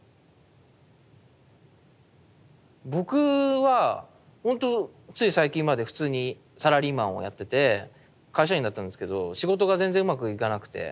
僕はほんとつい最近まで普通にサラリーマンをやってて会社員だったんですけど仕事が全然うまくいかなくて。